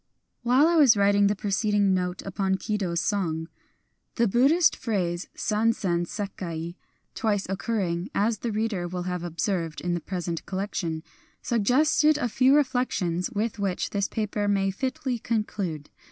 While I was writing the preceding note upon Kido's song, the Buddhist phrase, San zen sekai (twice occurring, as the reader will have observed, in the present collection), sug gested a few reflections with which this paper may fitly conclude.